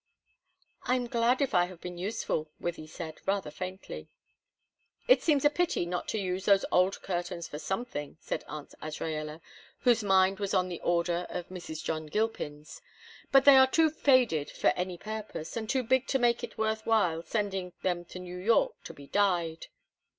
"I am glad if I have been useful," Wythie said, rather faintly. "It seems a pity not to use those old curtains for something," said Aunt Azraella, whose mind was on the order of Mrs. John Gilpin's. "But they are too faded for any purpose, and too big to make it worth while sending them to New York to be dyed."